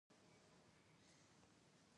د څارویو نسل اصلاح شوی؟